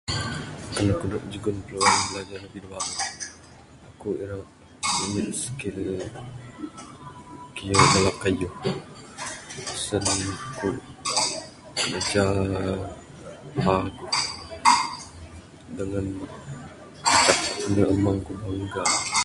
Kan ku dog jugon peluang belajar lebih bauh, aku ira ngumit skill kiye bala kayuh senang ku kiraja dak paguh dengan ngancak andu amang ku bangga.